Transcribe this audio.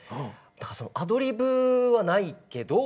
だからアドリブはないけど。